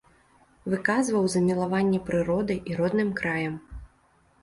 Выказваў замілаванне прыродай і родным краем.